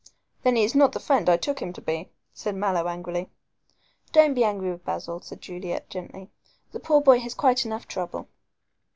"Then he is not the friend I took him to be," said Mallow angrily. "Don't be angry with Basil," said Juliet, gently. "The poor boy has quite enough trouble."